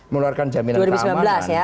mengeluarkan jaminan keamanan